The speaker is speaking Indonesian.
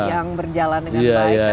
yang berjalan dengan baik